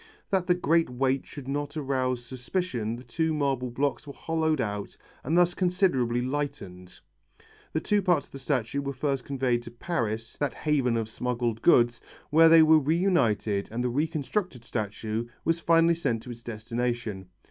That the great weight should not arouse suspicion the two marble blocks were hollowed out and thus considerably lightened. The two parts of the statue were first conveyed to Paris, that haven of smuggled goods, where they were reunited and the reconstructed statue was finally sent to its destination.